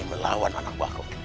mallity akan lembut